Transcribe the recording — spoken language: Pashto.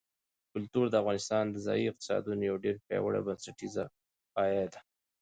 کلتور د افغانستان د ځایي اقتصادونو یو ډېر پیاوړی او بنسټیز پایایه دی.